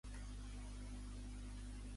Què ha de fer un partit polític si s'hi vol unir?